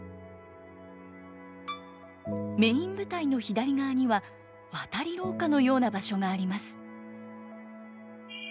メイン舞台の左側には渡り廊下のような場所があります。